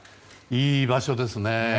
いい場所ですね。